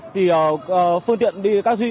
thì các phương tiện đi